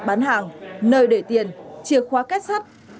bán hàng nơi để tiền chìa khóa kết sắt